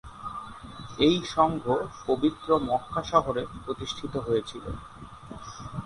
এই সংঘ পবিত্র মক্কা শহরে প্রতিষ্ঠিত হয়েছিল।